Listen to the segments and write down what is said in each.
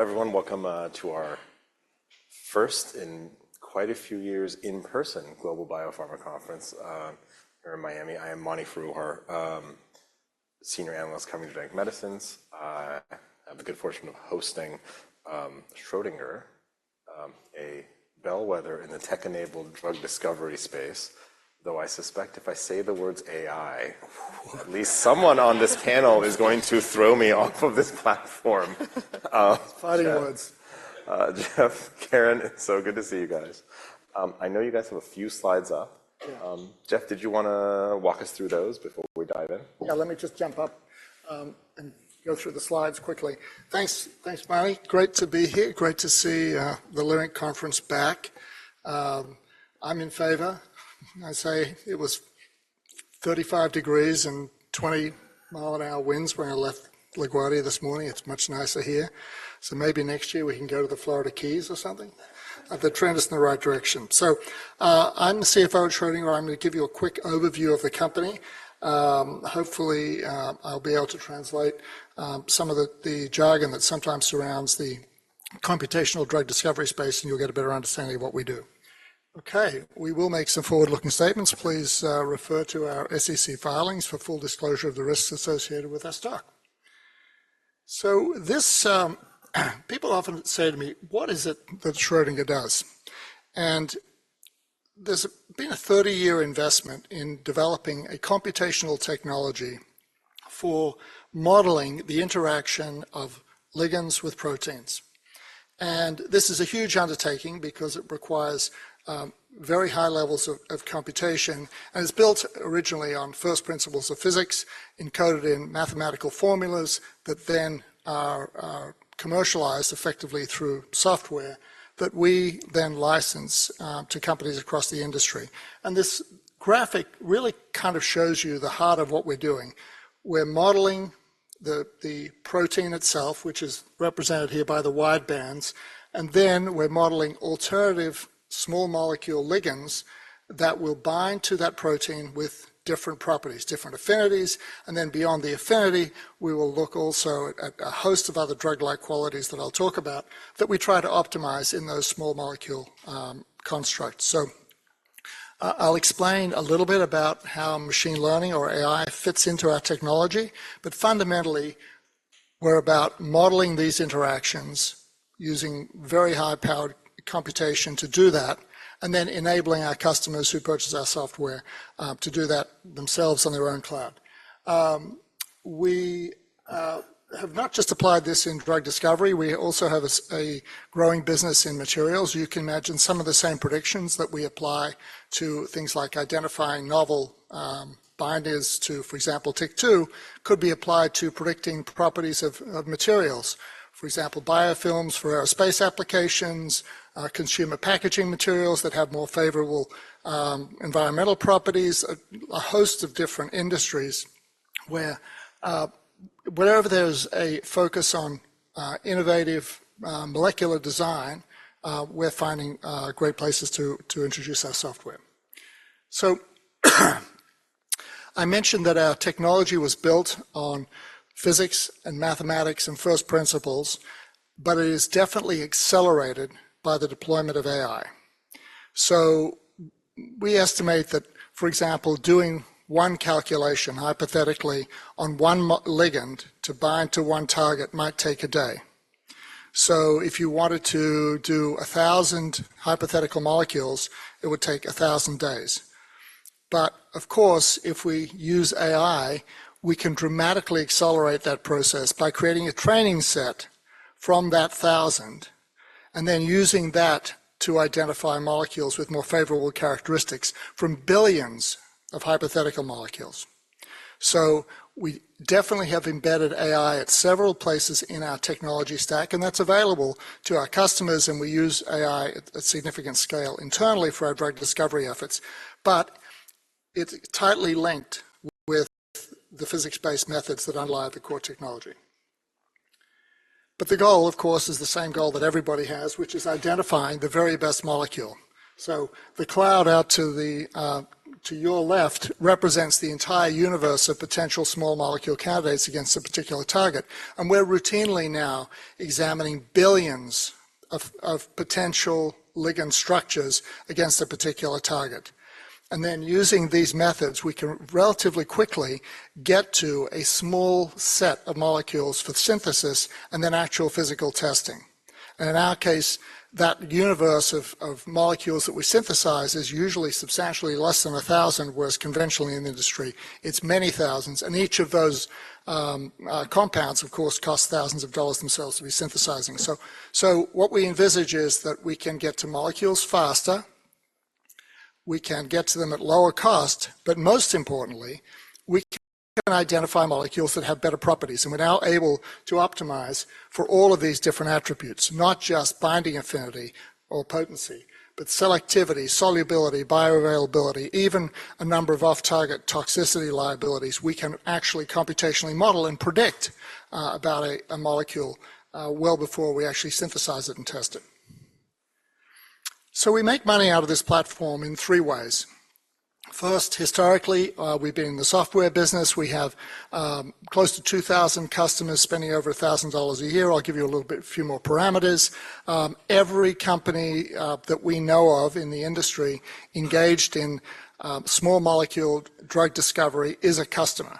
Hello, everyone. Welcome to our first in quite a few years in-person Global Biopharma Conference here in Miami. I am Mani Foroohar, Senior Analyst covering biotech medicines. I have the good fortune of hosting Schrödinger, a bellwether in the tech-enabled drug discovery space. Though I suspect if I say the words AI, at least someone on this panel is going to throw me off of this platform. Fighting words. Geoff, Karen, it's so good to see you guys. I know you guys have a few slides up. Yeah. Geoff, did you wanna walk us through those before we dive in? Yeah, let me just jump up, and go through the slides quickly. Thanks, thanks, Mani. Great to be here, great to see, the Leerink Conference back. I'm in favor. I'd say it was 35 degrees Fahrenheit and 20-mile-an-hour winds when I left LaGuardia this morning. It's much nicer here. So maybe next year we can go to the Florida Keys or something. The trend is in the right direction. So, I'm the CFO at Schrödinger. I'm going to give you a quick overview of the company. Hopefully, I'll be able to translate some of the jargon that sometimes surrounds the computational drug discovery space, and you'll get a better understanding of what we do. Okay, we will make some forward-looking statements. Please, refer to our SEC filings for full disclosure of the risks associated with our stock. So this, people often say to me: What is it that Schrödinger does? And there's been a 30-year investment in developing a computational technology for modeling the interaction of ligands with proteins. And this is a huge undertaking because it requires very high levels of computation, and it's built originally on first principles of physics, encoded in mathematical formulas that then are commercialized effectively through software that we then license to companies across the industry. And this graphic really kind of shows you the heart of what we're doing. We're modeling the protein itself, which is represented here by the wide bands, and then we're modeling alternative small molecule ligands that will bind to that protein with different properties, different affinities. And then beyond the affinity, we will look also at a host of other drug-like qualities that I'll talk about, that we try to optimize in those small molecule constructs. So, I'll explain a little bit about how machine learning or AI fits into our technology, but fundamentally, we're about modeling these interactions using very high-powered computation to do that, and then enabling our customers who purchase our software to do that themselves on their own cloud. We have not just applied this in drug discovery, we also have a growing business in materials. You can imagine some of the same predictions that we apply to things like identifying novel binders to, for example, TYK2, could be applied to predicting properties of materials. For example, biofilms for aerospace applications, consumer packaging materials that have more favorable environmental properties, a host of different industries where wherever there's a focus on innovative molecular design, we're finding great places to introduce our software. So, I mentioned that our technology was built on physics and mathematics and first principles, but it is definitely accelerated by the deployment of AI. So we estimate that, for example, doing one calculation, hypothetically, on one ligand to bind to one target might take a day. So if you wanted to do 1,000 hypothetical molecules, it would take 1,000 days. But of course, if we use AI, we can dramatically accelerate that process by creating a training set from that 1,000, and then using that to identify molecules with more favorable characteristics from billions of hypothetical molecules. So we definitely have embedded AI at several places in our technology stack, and that's available to our customers, and we use AI at a significant scale internally for our drug discovery efforts. But it's tightly linked with the physics-based methods that underlie the core technology. But the goal, of course, is the same goal that everybody has, which is identifying the very best molecule. So the cloud out to the, to your left represents the entire universe of potential small molecule candidates against a particular target. And we're routinely now examining billions of potential ligand structures against a particular target. And then using these methods, we can relatively quickly get to a small set of molecules for synthesis and then actual physical testing. In our case, that universe of molecules that we synthesize is usually substantially less than 1,000, whereas conventionally in the industry, it's many thousands, and each of those compounds, of course, cost thousands of dollars themselves to be synthesizing. So what we envisage is that we can get to molecules faster, we can get to them at lower cost, but most importantly, we can identify molecules that have better properties, and we're now able to optimize for all of these different attributes, not just binding affinity or potency, but selectivity, solubility, bioavailability, even a number of off-target toxicity liabilities we can actually computationally model and predict about a molecule well before we actually synthesize it and test it... So we make money out of this platform in three ways. First, historically, we've been in the software business. We have close to 2,000 customers spending over $1,000 a year. I'll give you a little bit, few more parameters. Every company that we know of in the industry engaged in small molecule drug discovery is a customer.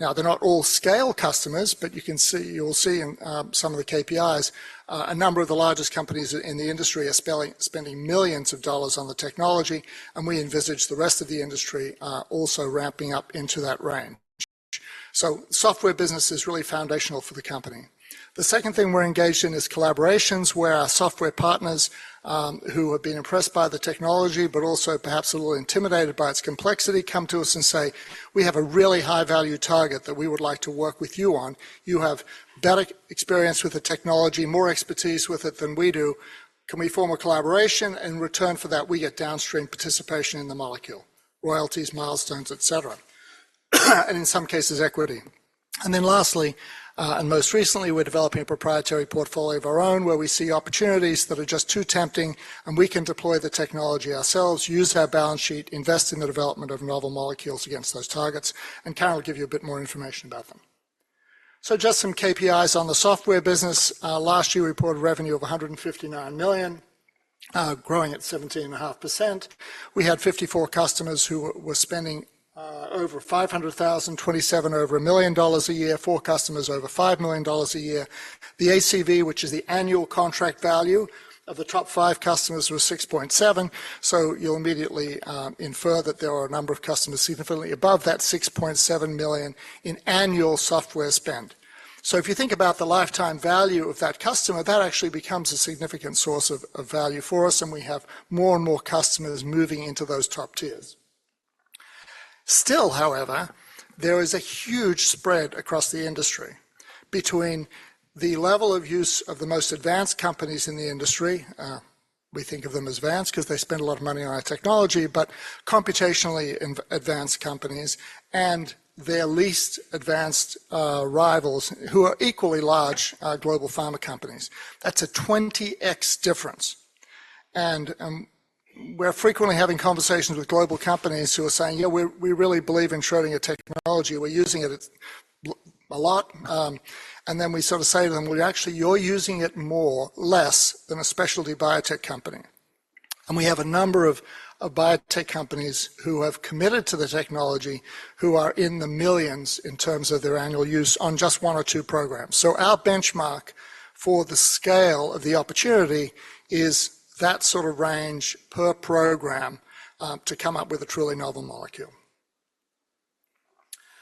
Now, they're not all scale customers, but you can see, you'll see in some of the KPIs a number of the largest companies in the industry are spending $ millions on the technology, and we envisage the rest of the industry also ramping up into that range. So software business is really foundational for the company. The second thing we're engaged in is collaborations, where our software partners, who have been impressed by the technology but also perhaps a little intimidated by its complexity, come to us and say, "We have a really high-value target that we would like to work with you on. You have better experience with the technology, more expertise with it than we do. Can we form a collaboration?" In return for that, we get downstream participation in the molecule: royalties, milestones, et cetera, and in some cases, equity. And then lastly, and most recently, we're developing a proprietary portfolio of our own, where we see opportunities that are just too tempting, and we can deploy the technology ourselves, use our balance sheet, invest in the development of novel molecules against those targets, and Karen will give you a bit more information about them. Just some KPIs on the software business. Last year, we reported revenue of $159 million, growing at 17.5%. We had 54 customers who were spending over $500,000, 27 over $1 million a year, 4 customers over $5 million a year. The ACV, which is the annual contract value of the top 5 customers, was 6.7. So you'll immediately infer that there are a number of customers significantly above that $6.7 million in annual software spend. So if you think about the lifetime value of that customer, that actually becomes a significant source of value for us, and we have more and more customers moving into those top tiers. Still, however, there is a huge spread across the industry between the level of use of the most advanced companies in the industry. We think of them as advanced 'cause they spend a lot of money on our technology, but computationally advanced companies and their least advanced rivals, who are equally large global pharma companies. That's a 20x difference. We're frequently having conversations with global companies who are saying, "Yeah, we're, we really believe in Schrödinger technology. We're using it a lot." And then we sort of say to them, "Well, actually, you're using it more or less than a specialty biotech company." We have a number of biotech companies who have committed to the technology, who are in the $ millions in terms of their annual use on just one or two programs. So our benchmark for the scale of the opportunity is that sort of range per program, to come up with a truly novel molecule.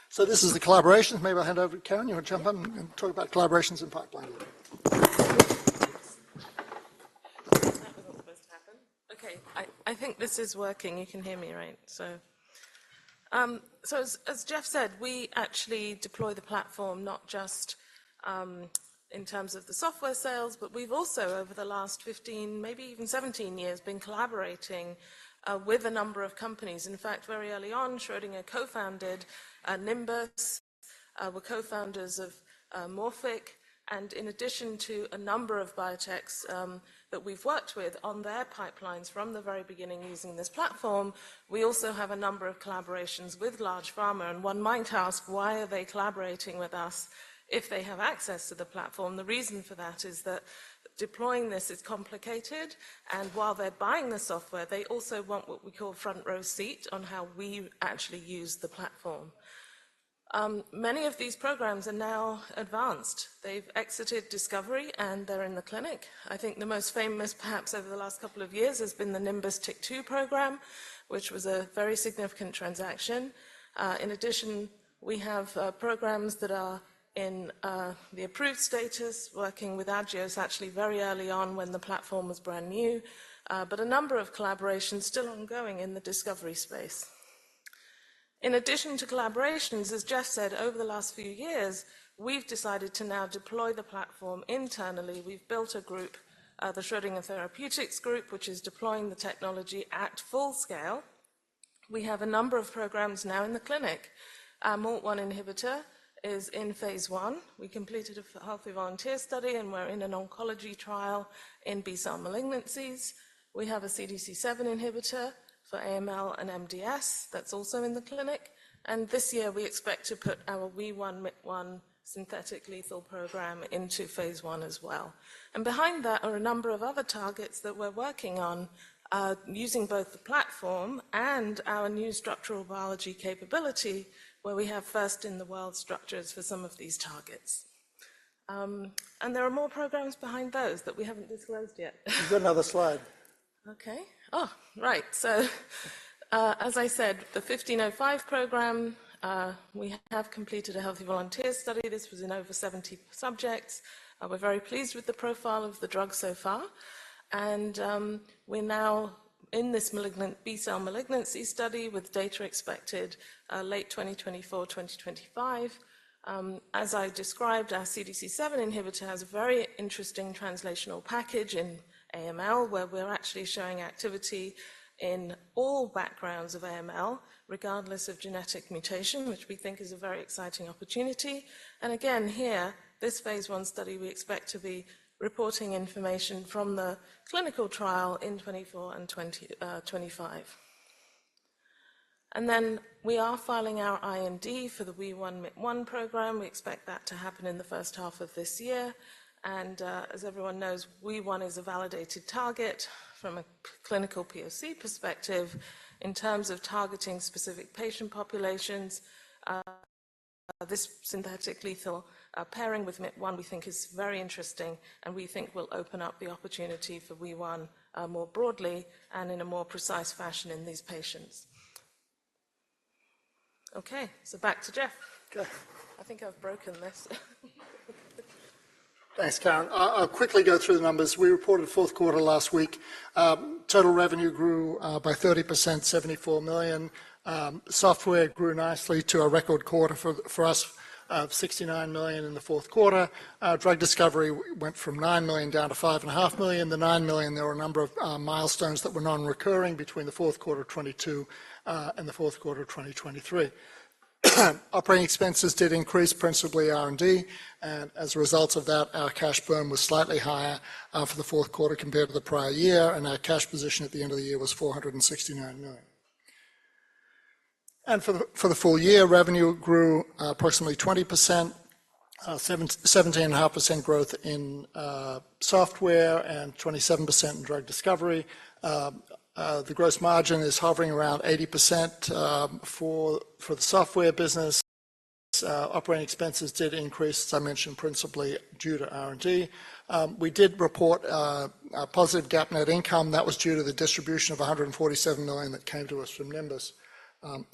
So this is the collaboration. Maybe I'll hand over to Karen. You want to jump in and talk about collaborations in pipeline? That was supposed to happen. Okay, I think this is working. You can hear me, right? So, as Geoff said, we actually deploy the platform not just in terms of the software sales, but we've also, over the last 15, maybe even 17 years, been collaborating with a number of companies. In fact, very early on, Schrödinger co-founded Nimbus, we're co-founders of Morphic, and in addition to a number of biotechs that we've worked with on their pipelines from the very beginning using this platform, we also have a number of collaborations with large pharma. One might ask: Why are they collaborating with us if they have access to the platform? The reason for that is that deploying this is complicated, and while they're buying the software, they also want what we call front row seat on how we actually use the platform. Many of these programs are now advanced. They've exited discovery, and they're in the clinic. I think the most famous, perhaps over the last couple of years, has been the Nimbus TYK2 program, which was a very significant transaction. In addition, we have programs that are in the approved status, working with Agios actually very early on when the platform was brand new, but a number of collaborations still ongoing in the discovery space. In addition to collaborations, as Geoff said, over the last few years, we've decided to now deploy the platform internally. We've built a group, the Schrödinger Therapeutics Group, which is deploying the technology at full scale. We have a number of programs now in the clinic. Our MALT1 inhibitor is in phase 1. We completed a healthy volunteer study, and we're in an oncology trial in B-cell malignancies. We have a CDC7 inhibitor for AML and MDS that's also in the clinic, and this year we expect to put our WEE1/Myt1 synthetic lethal program into phase 1 as well. And behind that are a number of other targets that we're working on, using both the platform and our new structural biology capability, where we have first-in-the-world structures for some of these targets. And there are more programs behind those that we haven't disclosed yet. You've got another slide. Okay. Oh, right! So, as I said, the 1505 program, we have completed a healthy volunteer study. This was in over 70 subjects, and we're very pleased with the profile of the drug so far. And, we're now in this malignant, B-cell malignancy study, with data expected, late 2024, 2025. As I described, our CDC7 inhibitor has a very interesting translational package in AML, where we're actually showing activity in all backgrounds of AML, regardless of genetic mutation, which we think is a very exciting opportunity. And again, here, this phase one study, we expect to be reporting information from the clinical trial in 2024 and 2025. And then we are filing our IND for the WEE1/Myt1 program. We expect that to happen in the first half of this year. As everyone knows, WEE1 is a validated target from a clinical POC perspective. In terms of targeting specific patient populations, this synthetic lethal pairing with Myt1, we think is very interesting, and we think will open up the opportunity for WEE1 more broadly and in a more precise fashion in these patients. Okay, so back to Geoff. Go. I think I've broken this. Thanks, Karen. I'll quickly go through the numbers. We reported Q4 last week. Total revenue grew by 30%, $74 million. Software grew nicely to a record quarter for us, of $69 million in the Q4. Drug discovery went from $9 million down to $5.5 million. The $9 million, there were a number of milestones that were non-recurring between the Q4 of 2022 and the Q4 of 2023. Operating expenses did increase, principally R&D, and as a result of that, our cash burn was slightly higher for the Q4 compared to the prior year, and our cash position at the end of the year was $469 million. For the full year, revenue grew approximately 20%, 17.5% growth in software and 27% in drug discovery. The gross margin is hovering around 80% for the software business. Operating expenses did increase, as I mentioned, principally due to R&D. We did report a positive GAAP net income. That was due to the distribution of $147 million that came to us from Nimbus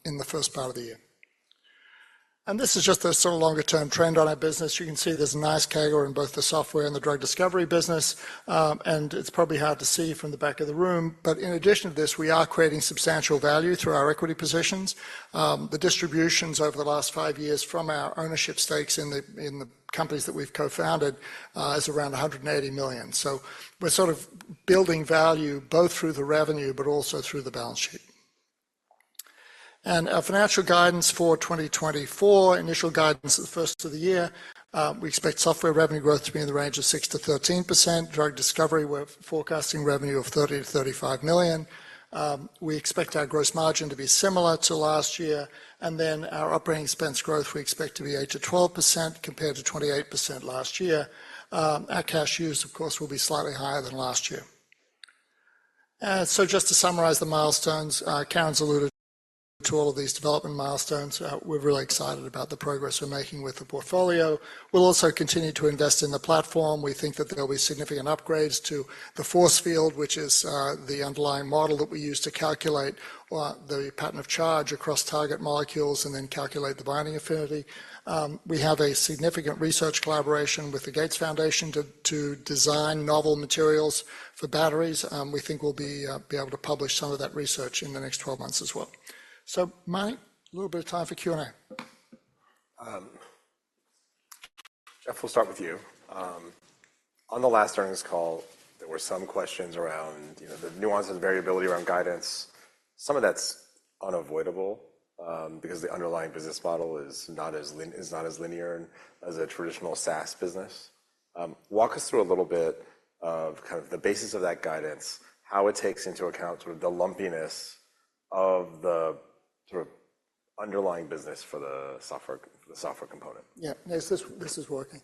in the first part of the year. And this is just a sort of longer-term trend on our business. You can see there's a nice CAGR in both the software and the drug discovery business, and it's probably hard to see from the back of the room, but in addition to this, we are creating substantial value through our equity positions. The distributions over the last five years from our ownership stakes in the companies that we've co-founded is around $180 million. So we're sort of building value both through the revenue, but also through the balance sheet. Our financial guidance for 2024, initial guidance at the first of the year, we expect software revenue growth to be in the range of 6%-13%. Drug discovery, we're forecasting revenue of $30 million-$35 million. We expect our gross margin to be similar to last year, and then our operating expense growth, we expect to be 8%-12%, compared to 28% last year. Our cash use, of course, will be slightly higher than last year. So just to summarize the milestones, Karen's alluded to all of these development milestones. We're really excited about the progress we're making with the portfolio. We'll also continue to invest in the platform. We think that there will be significant upgrades to the force field, which is the underlying model that we use to calculate the pattern of charge across target molecules and then calculate the binding affinity. We have a significant research collaboration with the Gates Foundation to design novel materials for batteries. We think we'll be able to publish some of that research in the next 12 months as well. So, Mani, a little bit of time for Q&A. Geoff, we'll start with you. On the last earnings call, there were some questions around, you know, the nuances and variability around guidance. Some of that's unavoidable, because the underlying business model is not as linear as a traditional SaaS business. Walk us through a little bit of kind of the basis of that guidance, how it takes into account sort of the lumpiness of the sort of underlying business for the software, the software component. Yeah, this, this is working.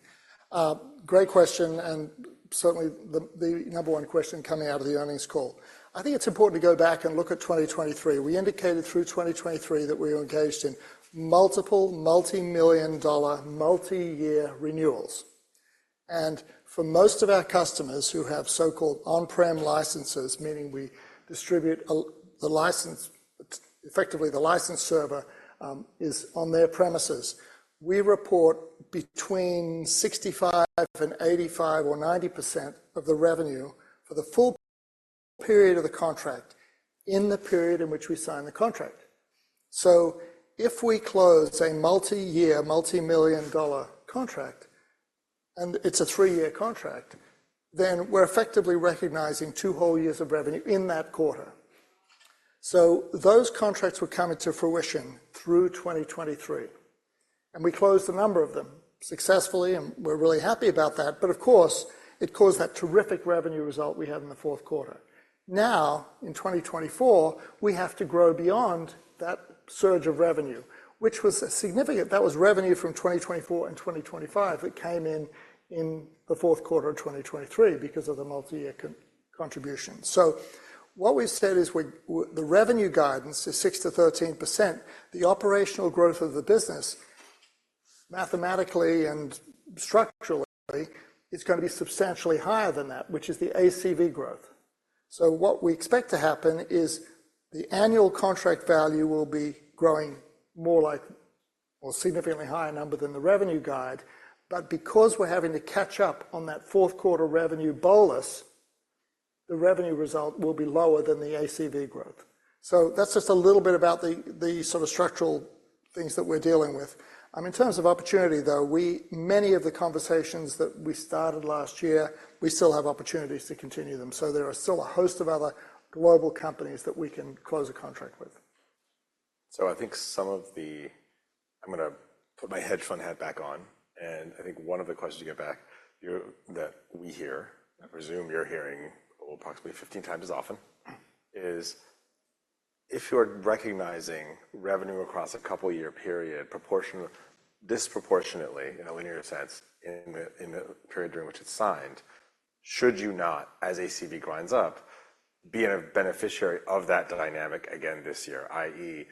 Great question, and certainly the, the number one question coming out of the earnings call. I think it's important to go back and look at 2023. We indicated through 2023 that we were engaged in multiple $ multi-million-dollar, multi-year renewals. And for most of our customers who have so-called on-prem licenses, meaning we distribute the license, effectively, the license server is on their premises, we report between 65%-85% or 90% of the revenue for the full period of the contract in the period in which we sign the contract. So if we close a multi-year, $ multi-million-dollar contract, and it's a three-year contract, then we're effectively recognizing two whole years of revenue in that quarter. So those contracts were coming to fruition through 2023, and we closed a number of them successfully, and we're really happy about that, but of course, it caused that terrific revenue result we had in the Q4. Now, in 2024, we have to grow beyond that surge of revenue, which was significant. That was revenue from 2024 and 2025 that came in in the Q4 of 2023 because of the multi-year contribution. So what we've said is the revenue guidance is 6%-13%. The operational growth of the business, mathematically and structurally, is gonna be substantially higher than that, which is the ACV growth. So what we expect to happen is the annual contract value will be growing more like a significantly higher number than the revenue guide. But because we're having to catch up on that Q4 revenue bolus, the revenue result will be lower than the ACV growth. So that's just a little bit about the sort of structural things that we're dealing with. In terms of opportunity, though, we, many of the conversations that we started last year, we still have opportunities to continue them, so there are still a host of other global companies that we can close a contract with. So I think some of the, I'm gonna put my hedge fund hat back on, and I think one of the questions you get back, you-- that we hear, I presume you're hearing, well, approximately 15 times as often, is if you're recognizing revenue across a couple year period, disproportionately, in a linear sense, in the, in the period during which it's signed, should you not, as ACV grinds up, be a beneficiary of that dynamic again this year? I.e.,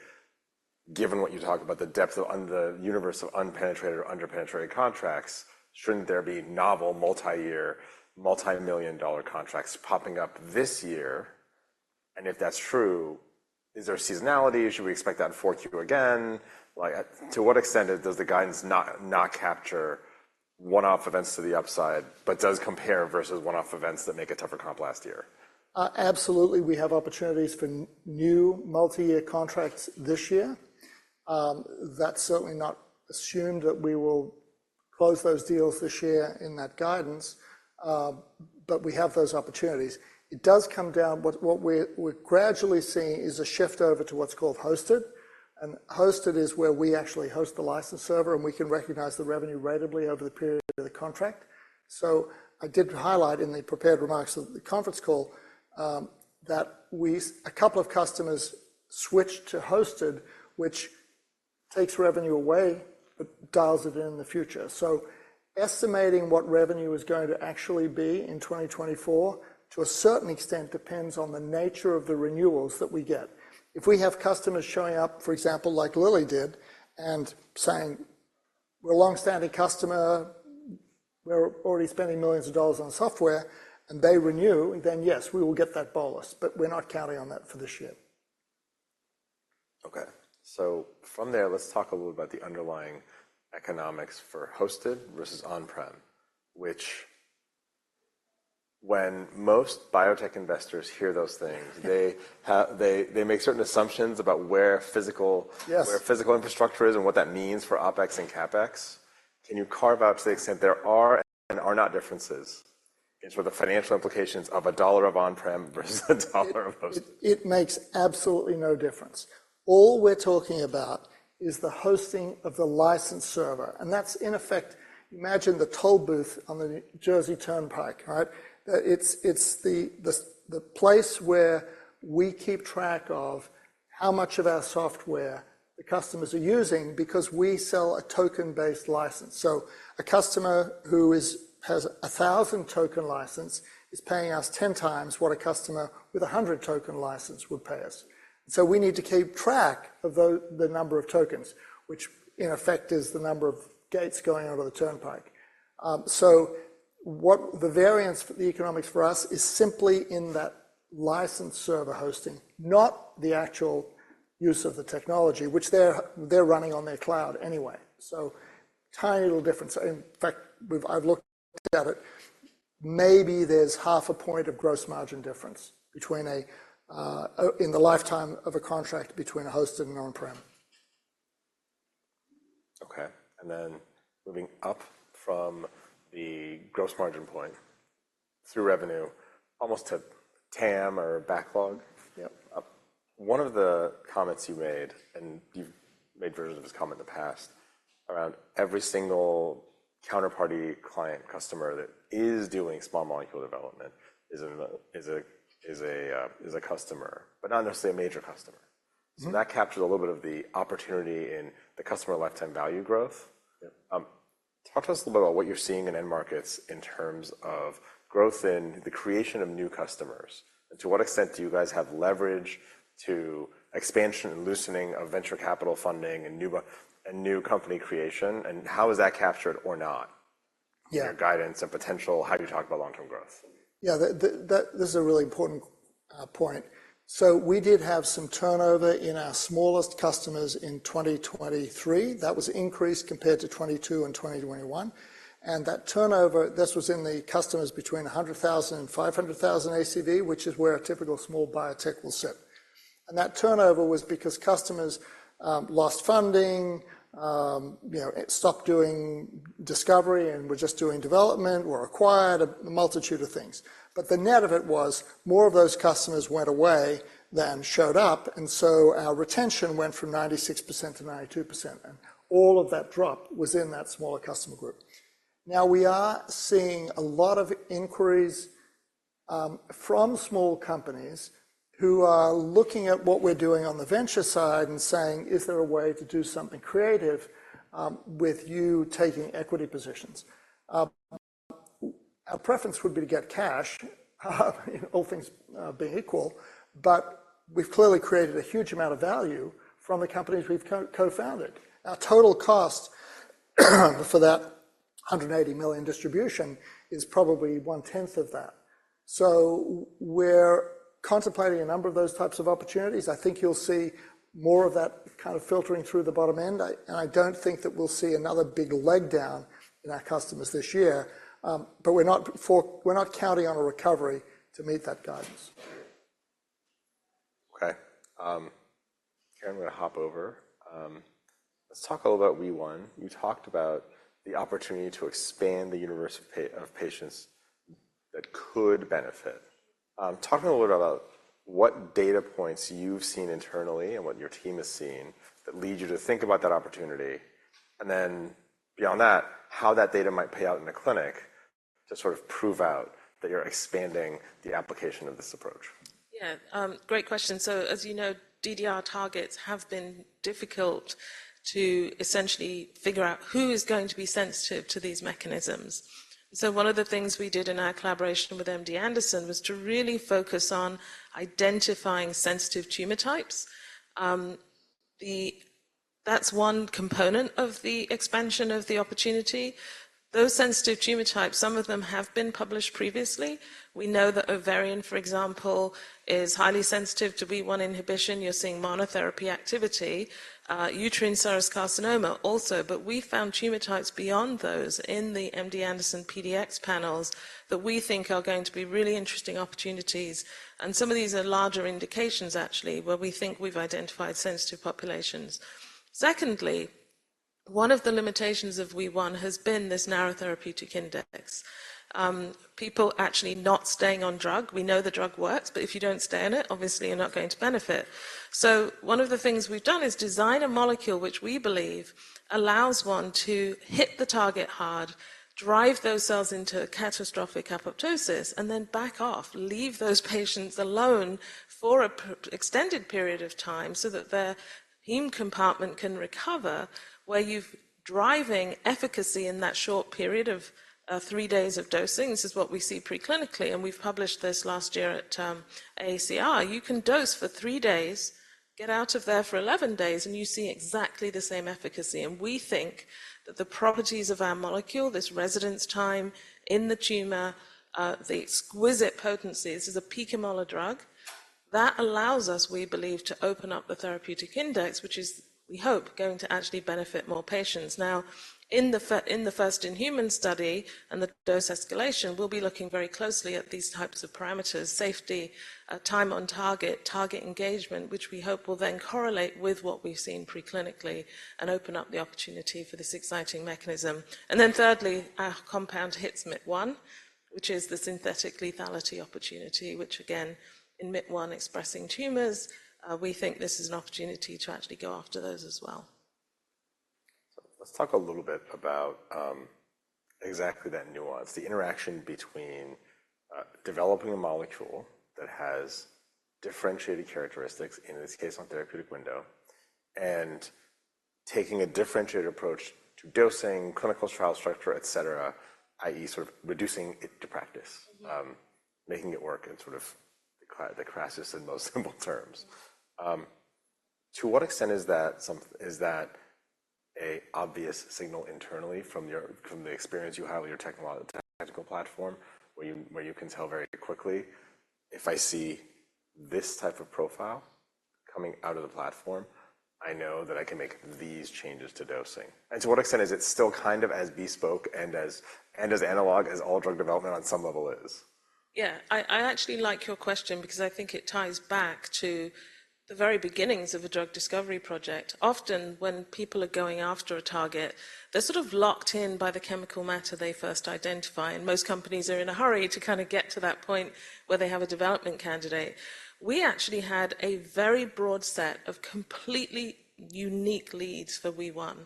given what you talked about, the depth of un-- the universe of unpenetrated or under-penetrated contracts, shouldn't there be novel, multi-year, multi-million dollar contracts popping up this year? And if that's true, is there a seasonality? Should we expect that in 4Q again? Like, to what extent does the guidance not capture one-off events to the upside, but does compare versus one-off events that make a tougher comp last year? Absolutely, we have opportunities for new multi-year contracts this year. That's certainly not assumed that we will close those deals this year in that guidance, but we have those opportunities. It does come down... What we're gradually seeing is a shift over to what's called hosted, and hosted is where we actually host the license server, and we can recognize the revenue ratably over the period of the contract. So I did highlight in the prepared remarks of the conference call, that a couple of customers switched to hosted, which takes revenue away, but dials it in in the future. So estimating what revenue is going to actually be in 2024, to a certain extent, depends on the nature of the renewals that we get. If we have customers showing up, for example, like Lilly did, and saying, "We're a long-standing customer, we're already spending millions of dollars on software," and they renew, then yes, we will get that bolus, but we're not counting on that for this year. Okay. So from there, let's talk a little about the underlying economics for hosted versus on-prem, which when most biotech investors hear those things, they make certain assumptions about where physical- Yes. Where physical infrastructure is and what that means for OpEx and CapEx. Can you carve out to the extent there are and are not differences in sort of the financial implications of a dollar of on-prem versus a dollar of hosted? It makes absolutely no difference. All we're talking about is the hosting of the license server, and that's in effect... Imagine the toll booth on the Jersey Turnpike, right? It's the place where we keep track of how much of our software the customers are using because we sell a token-based license. So a customer who has a 1,000 token license is paying us 10 times what a customer with a 100 token license would pay us. So we need to keep track of the number of tokens, which in effect is the number of gates going over the turnpike. So what the variance for the economics for us is simply in that license server hosting, not the actual use of the technology, which they're running on their cloud anyway. So tiny little difference. In fact, I've looked at it, maybe there's half a point of gross margin difference between a, in the lifetime of a contract between a hosted and on-prem. Okay. And then moving up from the gross margin point through revenue, almost to TAM or backlog. Yep. One of the comments you made, and you've made versions of this comment in the past, around every single counterparty client customer that is doing small molecule development is a customer, but not necessarily a major customer. That captured a little bit of the opportunity in the customer lifetime value growth. Yep. Talk to us a little about what you're seeing in end markets in terms of growth in the creation of new customers, and to what extent do you guys have leverage to expansion and loosening of venture capital funding and new company creation, and how is that captured or not? Yeah. In your guidance and potential? How do you talk about long-term growth? Yeah, this is a really important point. So we did have some turnover in our smallest customers in 2023. That was increased compared to 2022 and 2021. And that turnover, this was in the customers between 100,000 and 500,000 ACV, which is where a typical small biotech will sit. And that turnover was because customers lost funding, you know, stopped doing discovery and were just doing development, were acquired, a multitude of things. But the net of it was more of those customers went away than showed up, and so our retention went from 96% to 92%, and all of that drop was in that smaller customer group. Now, we are seeing a lot of inquiries from small companies who are looking at what we're doing on the venture side and saying: "Is there a way to do something creative with you taking equity positions?" Our preference would be to get cash, all things being equal, but we've clearly created a huge amount of value from the companies we've co-founded. Our total cost for that $180 million distribution is probably one-tenth of that. So we're contemplating a number of those types of opportunities. I think you'll see more of that kind of filtering through the bottom end. And I don't think that we'll see another big leg down in our customers this year, but we're not counting on a recovery to meet that guidance. Okay, here, I'm gonna hop over. Let's talk a little about WEE1. You talked about the opportunity to expand the universe of patients that could benefit. Talk a little bit about what data points you've seen internally and what your team has seen that lead you to think about that opportunity, and then beyond that, how that data might play out in the clinic to sort of prove out that you're expanding the application of this approach. Yeah, great question. So as you know, DDR targets have been difficult to essentially figure out who is going to be sensitive to these mechanisms. So one of the things we did in our collaboration with MD Anderson was to really focus on identifying sensitive tumor types. That's one component of the expansion of the opportunity. Those sensitive tumor types, some of them have been published previously. We know that ovarian, for example, is highly sensitive to WEE1 inhibition. You're seeing monotherapy activity, uterine serous carcinoma also, but we found tumor types beyond those in the MD Anderson PDX panels that we think are going to be really interesting opportunities, and some of these are larger indications, actually, where we think we've identified sensitive populations. Secondly, one of the limitations of WEE1 has been this narrow therapeutic index. People actually not staying on drug. We know the drug works, but if you don't stay on it, obviously, you're not going to benefit. So one of the things we've done is design a molecule which we believe allows one to hit the target hard, drive those cells into a catastrophic apoptosis, and then back off, leave those patients alone for an extended period of time so that their heme compartment can recover, where you've driving efficacy in that short period of three days of dosing. This is what we see preclinically, and we've published this last year at AACR. You can dose for 3 days, get out of there for 11 days, and you see exactly the same efficacy, and we think that the properties of our molecule, this residence time in the tumor, the exquisite potency, this is a picomolar drug, that allows us, we believe, to open up the therapeutic index, which is, we hope, going to actually benefit more patients. Now, in the first-in-human study and the dose escalation, we'll be looking very closely at these types of parameters: safety, time on target, target engagement, which we hope will then correlate with what we've seen preclinically and open up the opportunity for this exciting mechanism. And then thirdly, our compound hits Myt1, which is the synthetic lethality opportunity, which again, in Myt1 expressing tumors, we think this is an opportunity to actually go after those as well. So let's talk a little bit about exactly that nuance, the interaction between developing a molecule that has differentiated characteristics, in this case, on therapeutic window, and taking a differentiated approach to dosing, clinical trial structure, et cetera, i.e., sort of reducing it to practice making it work in sort of the crassest and most simple terms. To what extent is that is that a obvious signal internally from the experience you have with your technical platform, where you can tell very quickly, if I see this type of profile coming out of the platform, I know that I can make these changes to dosing? And to what extent is it still kind of as bespoke and as analog as all drug development on some level is? Yeah. I, I actually like your question because I think it ties back to the very beginnings of a drug discovery project. Often, when people are going after a target, they're sort of locked in by the chemical matter they first identify, and most companies are in a hurry to kinda get to that point where they have a development candidate. We actually had a very broad set of completely unique leads for WEE1,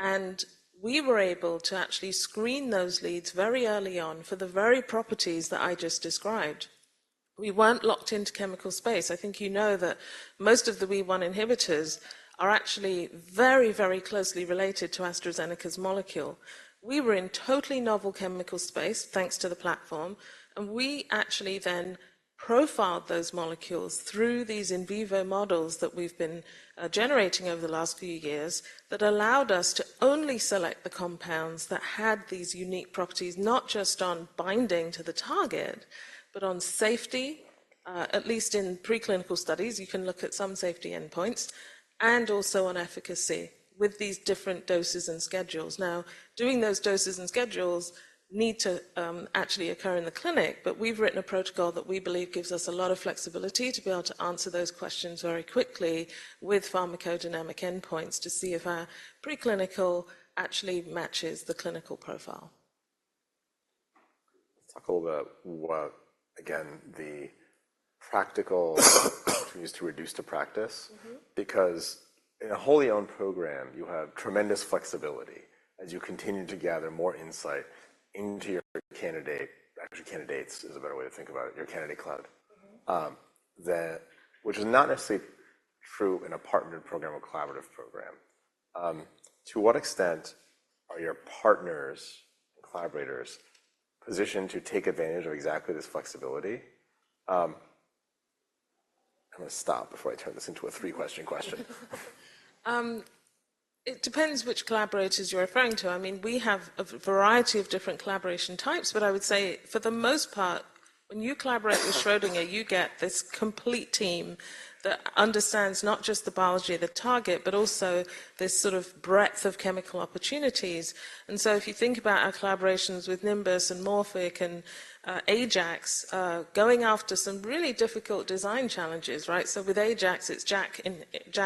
and we were able to actually screen those leads very early on for the very properties that I just described. We weren't locked into chemical space. I think you know that most of the WEE1 inhibitors are actually very, very closely related to AstraZeneca's molecule. We were in totally novel chemical space, thanks to the platform, and we actually then profiled those molecules through these in vivo models that we've been generating over the last few years, that allowed us to only select the compounds that had these unique properties, not just on binding to the target, but on safety, at least in preclinical studies, you can look at some safety endpoints, and also on efficacy with these different doses and schedules. Now, doing those doses and schedules need to actually occur in the clinic, but we've written a protocol that we believe gives us a lot of flexibility to be able to answer those questions very quickly with pharmacodynamic endpoints to see if our preclinical actually matches the clinical profile. Let's talk about what, again, the practical opportunities to reduce the practice. Because in a wholly owned program, you have tremendous flexibility as you continue to gather more insight into your candidate. Actually, candidates is a better way to think about it, your candidate cloud. Which is not necessarily true in a partnered program or collaborative program. To what extent are your partners, collaborators, positioned to take advantage of exactly this flexibility? I'm gonna stop before I turn this into a three-question question. It depends which collaborators you're referring to. I mean, we have a variety of different collaboration types, but I would say, for the most part, when you collaborate with Schrödinger, you get this complete team that understands not just the biology of the target, but also this sort of breadth of chemical opportunities. And so if you think about our collaborations with Nimbus and Morphic and Ajax, going after some really difficult design challenges, right? So with Ajax, it's JAK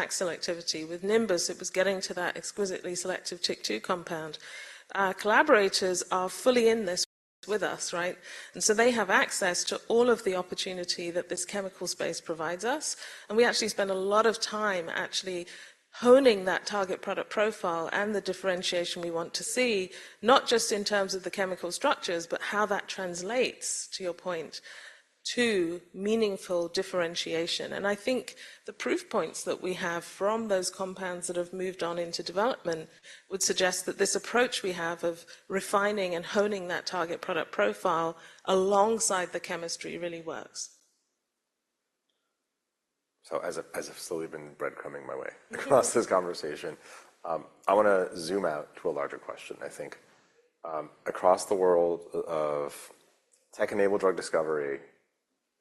selectivity. With Nimbus, it was getting to that exquisitely selective TYK2 compound. Our collaborators are fully in this with us, right? They have access to all of the opportunity that this chemical space provides us, and we actually spend a lot of time actually honing that target product profile and the differentiation we want to see, not just in terms of the chemical structures, but how that translates, to your point, to meaningful differentiation. I think the proof points that we have from those compounds that have moved on into development would suggest that this approach we have of refining and honing that target product profile alongside the chemistry really works. So as I, as I've slowly been breadcrumbing my way across this conversation, I wanna zoom out to a larger question, I think. Across the world of tech-enabled drug discovery,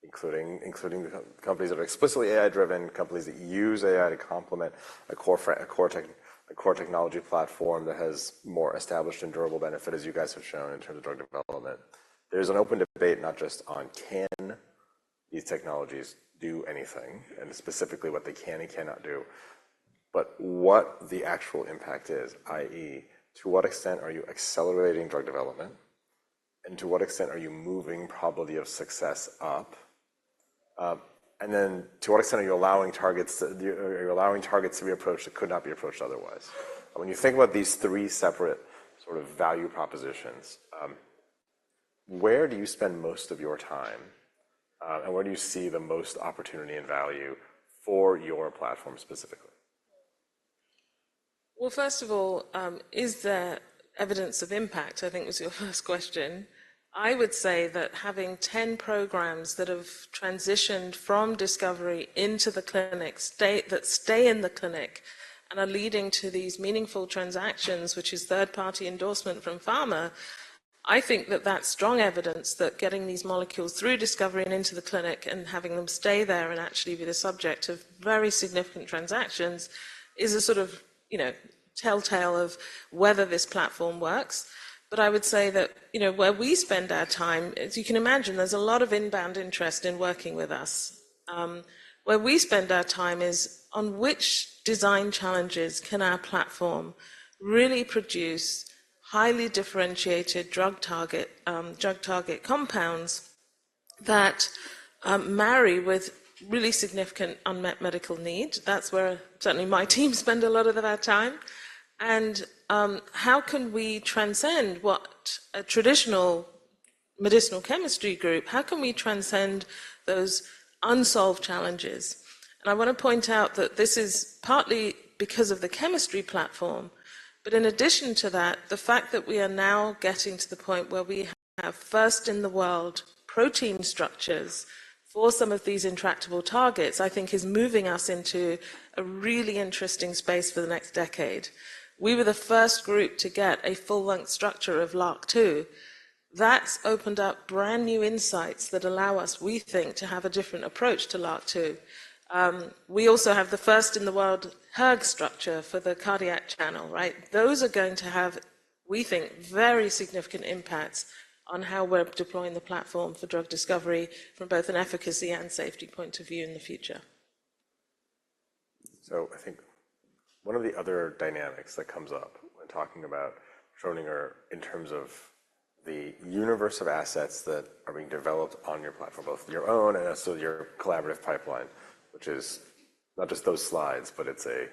including the companies that are explicitly AI-driven, companies that use AI to complement a core tech, a core technology platform that has more established and durable benefit, as you guys have shown in terms of drug development. There's an open debate not just on can these technologies do anything, and specifically what they can and cannot do, but what the actual impact is, i.e., to what extent are you accelerating drug development, and to what extent are you moving probability of success up? And then to what extent are you allowing targets to be approached that could not be approached otherwise? When you think about these three separate sort of value propositions, where do you spend most of your time, and where do you see the most opportunity and value for your platform specifically? Well, first of all, is there evidence of impact? I think was your first question. I would say that having 10 programs that have transitioned from discovery into the clinic, stay-- that stay in the clinic and are leading to these meaningful transactions, which is third-party endorsement from pharma, I think that that's strong evidence that getting these molecules through discovery and into the clinic and having them stay there and actually be the subject of very significant transactions is a sort of, you know, telltale of whether this platform works. But I would say that, you know, where we spend our time, as you can imagine, there's a lot of inbound interest in working with us. Where we spend our time is on which design challenges can our platform really produce highly differentiated drug target, drug target compounds that marry with really significant unmet medical need. That's where certainly my team spend a lot of their time. How can we transcend what a traditional medicinal chemistry group, how can we transcend those unsolved challenges? I wanna point out that this is partly because of the chemistry platform, but in addition to that, the fact that we are now getting to the point where we have first-in-the-world protein structures for some of these intractable targets, I think is moving us into a really interesting space for the next decade. We were the first group to get a full-length structure of LRRK2. That's opened up brand-new insights that allow us, we think, to have a different approach to LRRK2. We also have the first-in-the-world hERG structure for the cardiac channel, right? Those are going to have, we think, very significant impacts on how we're deploying the platform for drug discovery from both an efficacy and safety point of view in the future. So I think one of the other dynamics that comes up when talking about Schrödinger in terms of the universe of assets that are being developed on your platform, both your own and also your collaborative pipeline, which is not just those slides, but it's a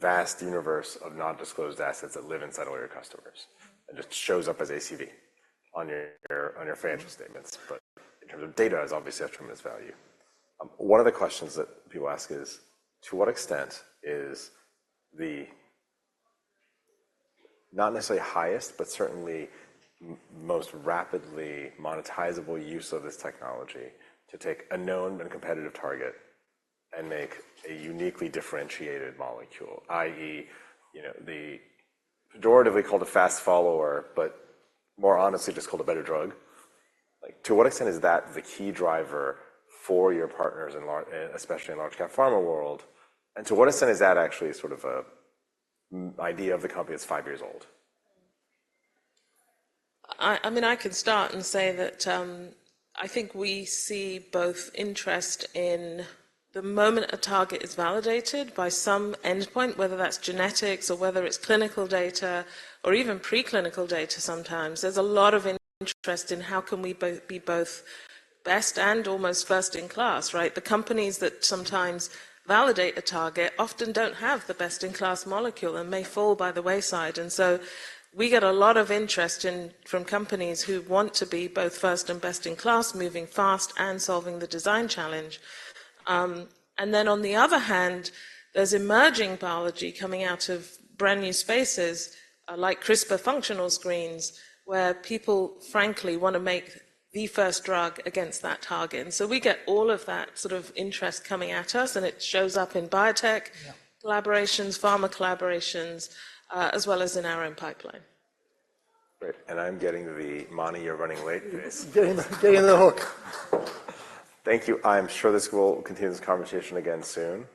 vast universe of non-disclosed assets that live inside all your customers and just shows up as ACV on your, on your financial statements. But in terms of data, has obviously tremendous value. One of the questions that people ask is, to what extent is the not necessarily highest, but certainly most rapidly monetizable use of this technology to take a known and competitive target and make a uniquely differentiated molecule, i.e., you know, the pejoratively called a fast follower, but more honestly, just called a better drug. Like, to what extent is that the key driver for your partners in large, especially in large-cap pharma world, and to what extent is that actually sort of a idea of the company that's five years old? I mean, I could start and say that, I think we see both interest in the moment a target is validated by some endpoint, whether that's genetics or whether it's clinical data or even preclinical data sometimes. There's a lot of interest in how can we both, be both best and almost first in class, right? The companies that sometimes validate a target often don't have the best-in-class molecule and may fall by the wayside. And so we get a lot of interest in-- from companies who want to be both first and best in class, moving fast and solving the design challenge. And then on the other hand, there's emerging biology coming out of brand-new spaces, like CRISPR functional screens, where people frankly wanna make the first drug against that target. And so we get all of that sort of interest coming at us, and it shows up in biotech. Yeah Collaborations, pharma collaborations, as well as in our own pipeline. Great. And I'm getting the "Mani, you're running late" face. Getting the hook. Thank you. I'm sure we'll continue this conversation again soon.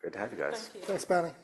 Great to have you guys. Thanks, Mani. Thanks.